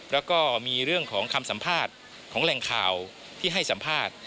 แล้วก็มีเรื่องของคำสัมภาษณ์ของแหล่งข่าวที่ให้สัมภาษณ์